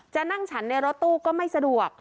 นั่งฉันในรถตู้ก็ไม่สะดวก